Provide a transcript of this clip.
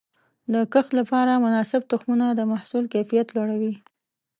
د کښت لپاره مناسب تخمونه د محصول کیفیت لوړوي.